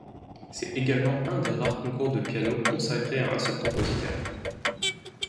C'est également un des rares concours de piano consacré à un seul compositeur.